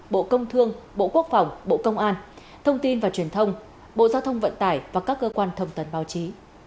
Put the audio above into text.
bộ công thương bộ quốc phòng bộ công an thông tin và truyền thông bộ giao thông vận tải và các cơ quan thông tấn báo chí